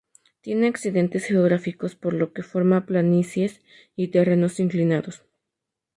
Tiene accidentes geográficos por lo que forma planicies y terrenos inclinados.